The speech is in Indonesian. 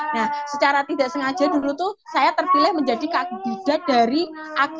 nah secara tidak sengaja dulu tuh saya terpilih menjadi kakibidat dari agensi